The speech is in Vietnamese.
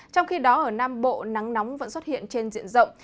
trong khi đó ở nam bộ nắng nóng vẫn xuất hiện trên diện rộng